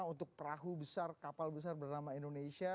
untuk perahu besar kapal besar bernama indonesia